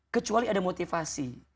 kecuali ada motivasi